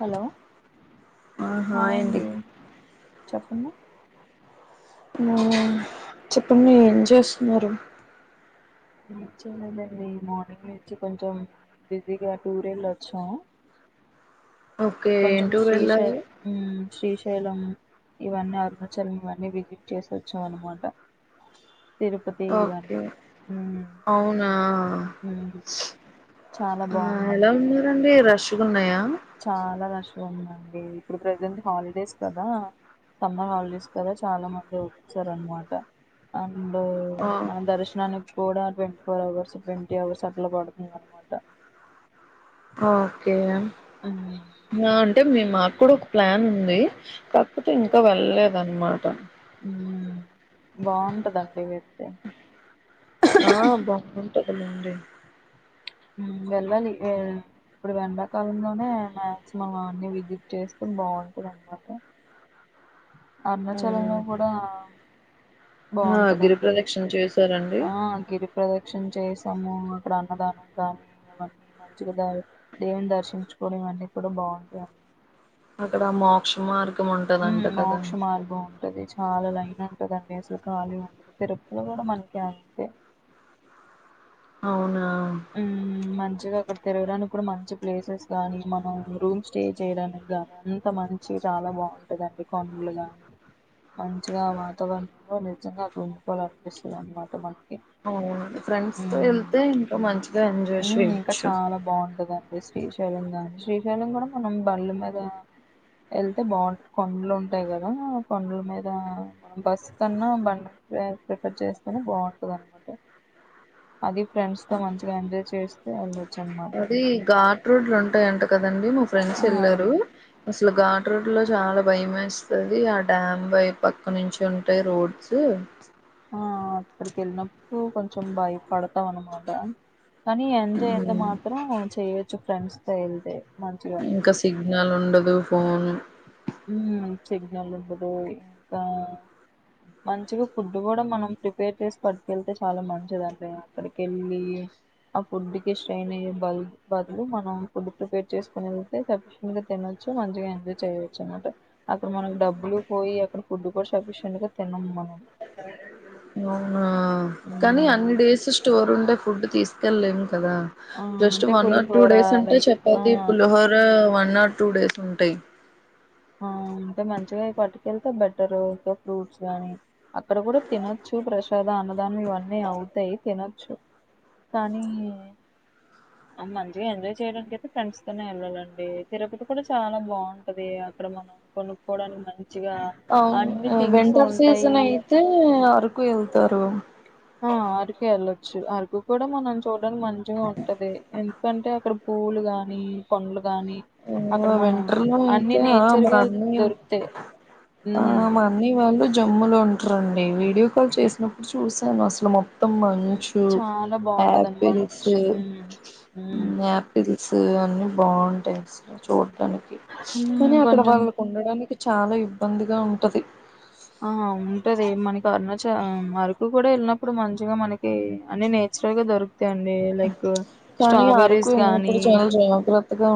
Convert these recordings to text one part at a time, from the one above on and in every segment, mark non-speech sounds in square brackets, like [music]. Hello ఆహా hi అండి ఏన్ది చెప్పండి మ్మ్ చెప్పండి ఏమ్ చేస్తున్నారు ఏంచేయలేదండి మార్నింగ్ నుంచి కొంచెం బిజీగా టూరేళ్ళొచ్చామ్ ఓకే ఏం కొంచమ్ టూర్ శ్రీశై వెళ్ళాలి మ్మ్ శ్రీశైలం మ్మ్ ఇవన్నీ అరుణాచల్ ఇవన్నీ విజిట్ చేసొచ్చామ్ అనమాట తిరుపతి ఇవన్నీ ఒకే అవునా ఉమ్ చాలా మ్మ్ ఎలా బాగుందండి ఉందండి రష్ ఫుల్ ఉన్నాయా అవునండి ఇప్పుడు ప్రజెంట్ హాలిడేస్ కదా సమ్మర్ హాలిడేస్ కదా చాలా మంది వచ్చారు అనమాట ఆ అండ్ ఆ మనం దర్శనన్నికి కూడా twenty four hours twenty hours అట్లా పడుతుంది అనమాట ఓకే మ్మ్ ఇగ అంటే మీ మా కూడా ఒక ప్లాన్ ఉంది కాకపోతే ఇంకా వెళ్లేద్న్మాట బాగుంట దండి వెళ్తే ఆ బాగుాంటాది లెండి మ్మ్ వెళ్ళాలి ఇప్పుడు వెండాకాలంలోనే మాక్సిమం అన్ని విజిట్ చేస్తూ బాగుంటంది అన్నమాట అరుణాచలంలో కూడా ఆ గిరి బాగుంటదండి ప్రదక్షిణ చేసారండి ఆ గిరి ప్రదక్షణ చేసి ము అక్కడ అన్నదానం కానీ అవన్నీ మంచిగా ద దేవుని దర్శించుకోవడం ఇవన్నీ కూడా బాగుంటాయి అక్కడ మోక్ష మార్గ మోక్షమార్గం ఉంటది చాలా లైన్ ఉంటుదండి అసలు ఖాళీ ఉండదు తిరుపతి కూడా మనకి అంతే అవును మ్మ్ మంచిగా అక్కడ తిరగడానికి కూడా మంచి ప్లేసెస్ గానీ మనం రూమ్ స్టే చేయడానికి గానీ అంత మంచి చాలా బాగుంటదండి కనులు గాని మంచిగా వాతావరణంలో నిజంగా అక్క ఉండిపోవాల అనిపిస్తుంది అన్నమాట మనం అవును ఫ్రెండ్స్ తో వెళ్తే ఇంకా మంచి మ్మ్ ఇంకా చాలా బాగుంటది శ్రీశైల గాని శ్రీశైలం కూడా మనం బండ్ల మీద వెళ్తే బాగుంటది కొండలు ఉంటాయి కదా కొండల మీద మనం బస్ కన్నా బండి ప్రిఫర్ చేస్తేనే బాగుంటది అనమాట అది ఫ్రెండ్స్ తో మంచిగా ఎంజాయ్ చేస్తే అనమాట అది ఘాట్ రోడ్లు ఉంటాయింటకద దండి మా ఫ్రెండ్స్ ఆ వెళ్లారు అసలు ఘాటు రడ్లో చాలా భయం వేస్తది ఆ డ్యామ్ వై పక్క నుంచి ఉంటాయి రోడ్స్ ఆ ఎక్కడికి ఎన్నప్పుడు కొంచం భయపాడతం అనమాట కానీ ఎంజాయ్ అయితే మాత్రం చేయచ్చు ఫ్రెండ్స్ తో ఏలతే ఇంకా సిగ్నల్ ఉండదు ఫోన్ మ్మ్ సిగ్నల్ ఉండదు ఇంకా మంచిగా ఫుడ్ కూడా మనం ప్రిపేర్ చేసి పట్టుకు వెళ్తే చాలా మంచిదండి అక్కడికి వెళ్ళి ఆ ఫుడ్ కి స్ట్రైయిన్ అయ్యే బల్ బదులు మనం ఫుడ్ ప్రిపేర్ చేసుకోని వెళ్తే సఫిషింట్ గా తినొచ్చు మంచిగా ఎంజాయ్ చేయో చూ అన్నమాట అక్కడ మనకి డబ్బులు పోయి అక్కడ ఫుడ్ కూడా సఫిషింట్ గా తినం మనం ఆ కానీ హ్మ్ అన్ని డేస్ స్టోర్ ఉండే ఫుడ్ తీసుకెళ్లేము కదా ఆ జస్ట్ అంటే one or two pulihora days అంటే లైక్ చెప్పది ఆ pulihora one or two days ఉంటాయి ఆ అంటే మంచిగా పటికెళ్తే బెటర్ ఇకా ఫ్రూట్స్ గానీ అక్కడ కూడా తినొచ్చు ప్రసాద అన్నదానం ఇవన్నీ అవుతాయి తినొచ్చు కానీ ఆ మంచిగా ఎంజాయ్ చేయడానికికైతే ఫ్రెండ్స్ తోనే వెళ్ళాలండి తిరుపతి కూడా చాలా బాగుంటది అక్కడ మనం కొనుక్కోవడానికి మంచి అవును వింటర్ ఉంటాయి సీజన్ అయితే అరకు వెళ్తారు ఆ అరకు వెళ్ళొచ్చు అరకు కూడా మనం చూడానికి మంచి ఉంటది ఎందుకంటే అక్కడ పువ్వులు గాని పండ్లు గాని అక్కడ మనం వింటర్ లో అన్ని అయితే ఆ నేచర్ మా గా అన్నయా దొరుకుతాయి ఆ ఉమ్ మా అన్నయ్య వాళ్ళు జమ్ముూలో ఉంటారండి వీడియో కాల్ చేసినప్పుడు చూసాను అసలు మొ మొత్తం మంచు చాలా బాగుంటదండి యాపిల్స్ మంచు యాపిల్ స అన్ని బాగుంటాయి చు కానీ ఉమ్ అక్కడ కొంచెం వాళ్ళకు ఉండడానికి చాలా ఇబ్బందిగా ఉంటది ఆ ఉంటది మనకి కర్నచ ఆ అరకు కూడా వెళ్ళినప్పుడు మంచిగా మనకి అన్ని నేచురల్ గా దొరుకుంది అండి లైక్ కానీ అరకు స్ట్రాబెరీస్ గానీ వెళ్ళినప్పుడు చాలా జాగ్రత్తగా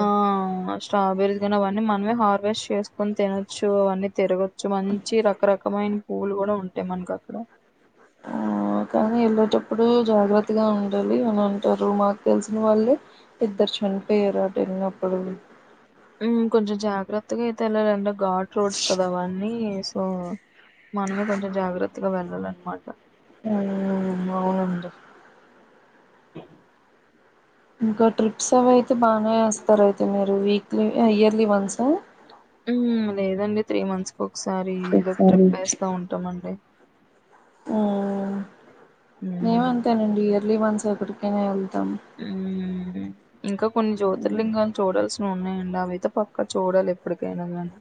ఆ స్ట్రాబెరీస్ కానీ అవన్నీ మనమే హార్వెస్ట్ చేసుకొని తినోచ్చు అవన్నీ తిరోగిచ్చు మంచి రకరకమైన పువ్వులు కూడా ఉంటాయి మనకు అక్కడ ఆ కానీ వెళ్ళేటప్పుడు జాగ్రత్తగా ఉండాలి అని అంటారు మాకు తెలిసిన వాళ్ళే ఇద్దరు చనిపోయారు అటు వెళ్ళినప్పుడు కొంచెం జాగ్రత్తగా అయితే వెల్లాలండ ఘాట్ రోడ్స్ కదా అవన్నీ సో మనమే కొంచెం జాగ్రత్తగా వెళ్ళం అల అనమాట హు అవునండి ఇంకా ట్రిప్స్ అవి అయితే బానే వస్తాయి సరే అయితే మీరు వీక్లీ ఇయర్లీ వన్స్ అ లేదండి త్రీ మంత్స్ కి ఒకసారి ఏదో ఒక ఒకసారి ట్రిప్ వేస్తా ఉంటామండి ఉ మేము హ్మ్. అంతేనండి త్రి మంత్స్ ఎక్కడికైనా వెళ్తాము త్తం ఉమ్ ఇంక కొన్ని జ్యోతిర్లింగాలు చూడాల్సి ఉన్నాయండి అవయితే పక్కా చూడాలి ఎప్పుడికైనా గానీ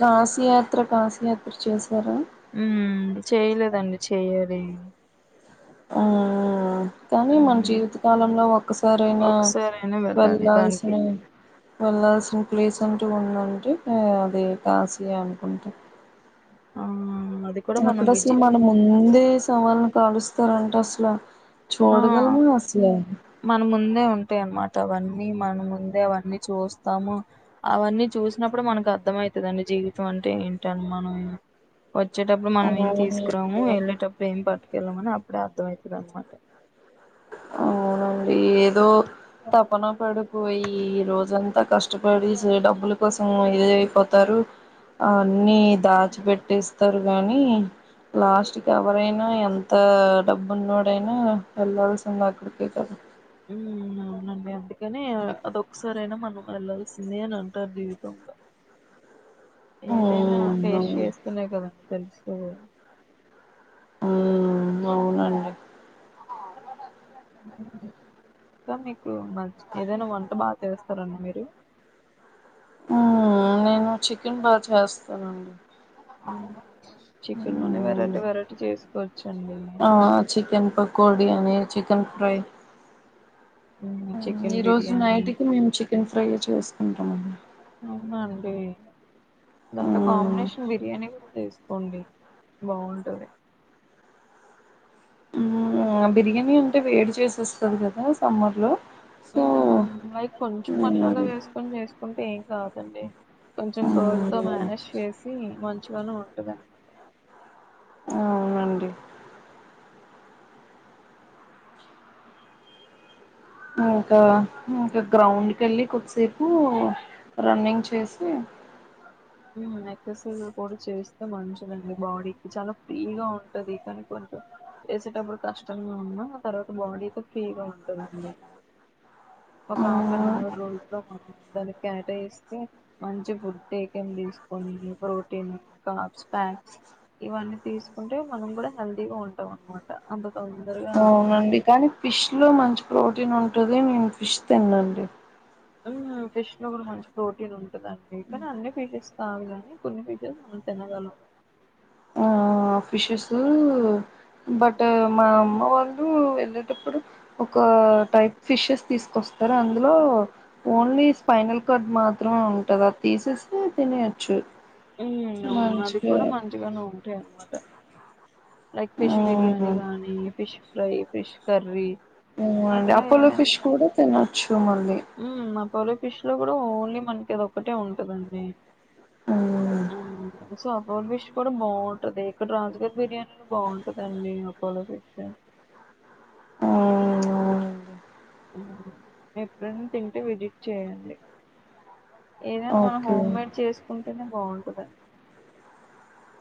కాశీయాత్ర కాశీయాత్ ఇచ్చేసారా ఉమ్ చేయలేదండి చెయ్యాలి ఆ కాని మన హ్మ్. జీవిత కాలంలో ఒక్కసారయినా ఒకసారైనా వెళ్ళాలి వెళ్లాల్సిన దానికి. వెళ్ళాల్సిన ప్లేసంటూ ఉందంటే అది కాసి అనుకుంటాం. ఆ అది కూడా మనం అక్కడసలు విజి మన ముందే సెవాళ్ళను కాలుస్ తరంట అసల ఆ మన ముందే ఉంటాయ్ అన్మాట అవన్ ని మన ముందే అవన్నీ చూస్తాము అవన్నీ చూసినప్పుడు మనకు అర్థమయితదండి జీవితం అంటే ఏంటని మనం. వచ్చేటప్పుడు మనమేం అవునండి తీసుకురాము వెళ్ళేటప్పుడు ఏం పట్టు. కెళ్ళమని అప్పుడే అర్ధమయితది అనమాట. అవునండి ఏదో. తపన పడిపోయి. ఈ రోజంతా కష్టపడి సె డబ్బుల కోసం ఇదైపోతారు అ అన్ని దాచి పెట్టేస్తరు గానీ లాస్ట్ కెవరైనా ఎంత డబ్బున్నోడైనా వెళ్ళాల్సి ఇంద్ అక్కడికే కదా. ఉమ్ అవునబ్బే అందుకనే అదొక్కసారైనా మనం వెళ్లాల్సిందే అని అంటారు జీవితంలో. ఏదైనా ఉమ్ ఫేస్ అవును చేస్తునే కదా. తెలుస్తది. ఉమ్ అవునండి. ఇంక మీక్ కు మంచి ఏదైనా వంట బాగ్ చేస్తరండి మీరు. ఉమ్ నేను. చికెన్ బాచేస్ తనండి. ఉమ్ చికెన్ లోనే వెరైటి వెరైటి చేసుకోచ్చు. ఆ చికెన్. పకోడి అని చికెన్ ఫ్రై. ఉమ్ చికెన్ ఈ రోజు బిర్యానీ నైట్ కి మేము చిక్ చికెన్ ఫ్రై చేసుకుంటమండి. అవునా అండి. దాంటో కాంబినేష్ బిర్యానీ కూడా తిసుకోండి బాగుంటాది. ఉం అ బిర్యానీ. అంటే వేడి చేసేస్తది కదా తమ్ముర్లు. హ్మ్ లైక్ కొంచం మసాలా వేసుకొని చేసుకుంటే ఏం కాదు. అండి. కొంచం కోర్డ్ తో మేనేజ్ చేసి మా చి గనే ఉంటదనమాట అ అవునండి ఇంకా ఇంకా గ్రౌండ్కి వెళ్ళి కొద్దిసేపు రన్నింగ్ చేసి ఉం ఎక్సర్సైజ్ కూడా చేస్తే మంచిదండి బాడీకి చాలా ఫ్రీగా ఉంటాది కానీ కొంచెం చేసేటప్పుడు కష్టంగా ఉన్నా తర్వాత బాడీ అయితే ఫ్రీగా ఉంటాదండి ఒక హాఫ్ అవర రోజులో అందరికి క్యాటఇస్తే మంచి ఫుడ్ ఎ తీసుకోని ప్రోటీన్ కాబ్స్ ఫ్యాట్స్ ఇవన్నీ తీసుకుంటే మనం కూడా హెల్తీగా ఉంటాం అన్నమాట అంత తొందరగా అవునండి కానీ ఫిష్ లో మంచి ప్రోటీన్ ఉంటది నేను ఫిష్ తిననండి హమ్ ఫిష్ లో కూడా మంచి ప్రోటీన్ ఉంది దండి కని ఫిటిస్ సాగాదండి కొన్ని పీసెస్ మనం తినగలం ఆ ఫిషెస్ బట్ మా అమ్మ వాళ్ళు వెళ్ళేటప్పుడు ఒక టైప్ ఫిషెస్ తీసుకొస్తారు అందులో ఓన్లీ స్పైనల్ కార్డ్ మా ఉంటాది ఆ పీసేస్ ని తినేయచ్చు ఉం అవును అది మంచిగా కూడా మంచిగానే ఉ టై అనమాట లైక్ ఫిష్ బిర్యానీ మ్మ్ గానీ ఫిష్ ఫ్రై ఫిష్ కర్రీ ఉమ్ అట్లా అపోలో ఏమైనా ఫిష్ కూడా తిన ఉమ్ అపోలో ఫి ఫిష్ లో కూడా ఓన్లీ మనకి అది ఒక్కటే ఉంటదండి మ్మ్ మ్మ్ ఉం సో అపోల ఫిష్ కూడా బాగుంటది ఇక్కడ రాజగారి బిర్యానీ కుడా బాగుంటది అపోల ఫిష్ అవునండి ఎప్పుడైనా తింటే విజిట్ చేయండి ఏదైనా మనం ఓకే హోమ్ మేడ్ చేసుకుంటేనే బాగుంటంది [inaudible]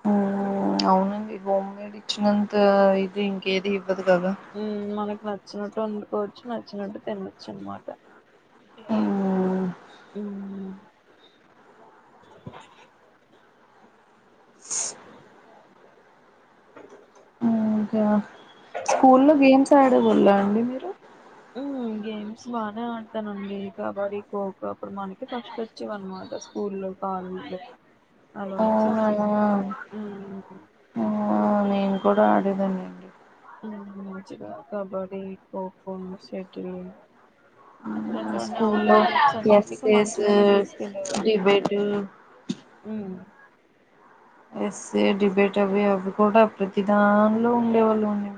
మ్మ్ అవునండి హోమ్ మేడ్ ఇచ్చినంత ఇది ఇంకేది ఇవ్వదు కదా ఉమ్ మనకి నచ్చినట్లు ఉంది వచ్చి నచ్చినట్టు తినచ్చు అన్మట మ్మ్ ఓకే స్కూల్లో గేమ్స్ ఆడే వాళ్ళ అండి మీరు గేమ్స్ బాగానే ఆడతానండి కబడ్డీ ఖోఖో అప్పుడు మనకి ఫస్ట్ వచ్చేవి అనమాట స్కూ లో కాలేజ్ లో అలా వచ్చేసి అవునా ఆ నేను కూడా ఆడేదానండి మంచిగ కబడ్డీ ఖోఖో శెటిల్ స్కూల్ లో ఎస్సేసు మంచిగానే తీసుకెళ్ళేవారు డిబేటు ఉమ్ ఎస్ ఏ డిబేట్ అవి అవి కూడా ప్రతి దానిలో ఉండేవాళ్ళు ఉండే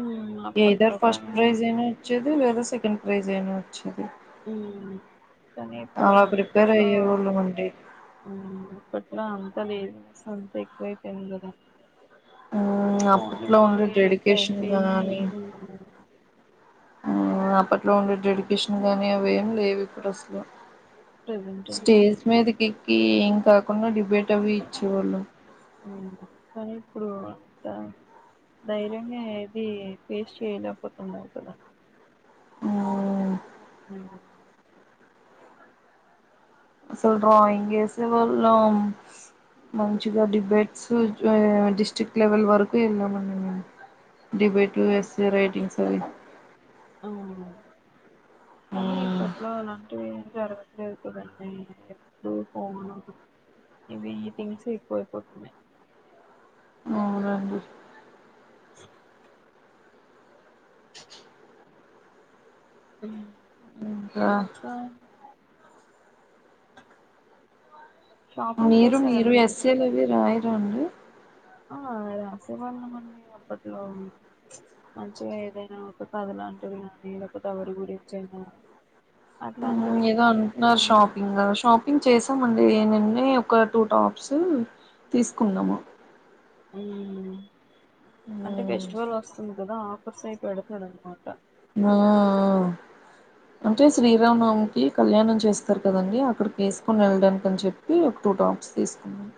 ఉమ్ అప్పట్లో ఏదర్ ఫస్ట్ కానీ ప్రైజ్ అయినా వచ్చేది లేదా సెకండ్ ప్రైజ్ అయిన వచ్చేది ఉ కానీ ఇప్పుడు అలా ప్రిపేర్ అప్పట్లో అయ్యేవాళ్ళం అండి ఇప్పట్లో అసలు ఏమైన సంత ఎక్కువై పేయిందో కదా పోను అప్పట్లో ఉండే బాగా అడిక్ట్ డెడికేషన్ ఆయిపోయి కానీ ఆ అప్పట్లో ఉండే డెడికేషన్ గానీ అవేం లేవు ఇప్పుడు అసలు ప్రెజెంట్ స్టేజ్ మీదికి కి ఏం కాకుండా డిబేట్ అవి ఇచ్చేవాళ్ళం కానీ ఇప్పుడు అంత ధైర్యంగా ఏది ఫేస్ చేయలేకపోతున్నారు కదా ఆ అ అసలు డ్రాయింగ్ వేసే వాళ్ళం మంచిగా డిబేట్ [unintelligible] జస్ట్ డిస్ట్రిక్ట్ లెవెల్ వరకు ఏళ్ళ మండి మేము డిబేటు ఎస్ఏ రైటింగ్స్ అవి అవును కానీ ఇప్పట్లో అలాంటివి జరగట్లేదు ప్రజెంట్ అయితే ఎప్పుడు పోను ఇవి ఈటింగ్స్ ఎక్కువ అయిపోతున్నాయి అవునండి అ ఇంకా అక్క షాపింగ్ మీరు మీరు చేస్తారండి ఎస్సే లివి రాయ రెండు ఆ రాసేవాళ్ళమండి అప్పట్లో మంచిగా ఏదైనా ఒక కథలాంటివి కానీ లేకపోతే ఎవరి గురించయినా ఏదో అంటున్నారు మ్మ్ షాపింగ షాపింగ్ చేసామండి నిన్నే ఒక టూ టాప్స్ తీసుకుందామ అ అంటే ఫెస్టివల్ వస్తుంది కదా కోర్స్ ఇడుతడు మాట మో అంటే శ్రీరామ్ నావమికిి కళ్యాణం చేస్తారు. కదండి అక్కడికి ఏసుకొని వెళ్ళడానికిని అని చెప్పి ఒక టూ టాప్స్ తీసుకున్నాను.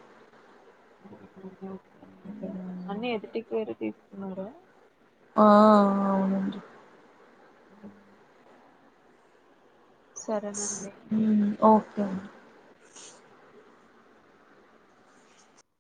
అన్నీ ఎదుటికి పోరుది ఉన్నావ్ గాదా ఆ అవునండి అ సరేనండి హుమ్ ఓకే అండి